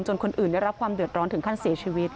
คนอื่นได้รับความเดือดร้อนถึงขั้นเสียชีวิต